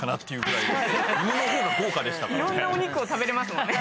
いろんなお肉を食べれますもんね。